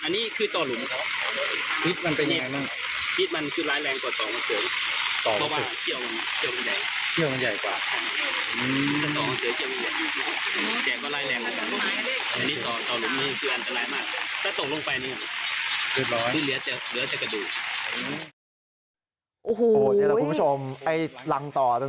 เนี้ยเนี้ยแล้วชุดที่ไปกำจัดต่ออ่ะอืม